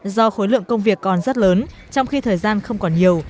do khối lượng công việc còn rất lớn trong khi thời gian không còn nhiều